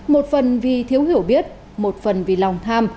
một phần vì thiếu hiểu biết một phần vì lòng tham